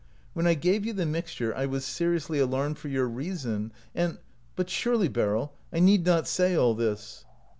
When I gave you the mixture I was seriously alarmed for your reason, and — but surely, Beryl, I need not say all this."